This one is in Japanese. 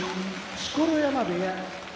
錣山部屋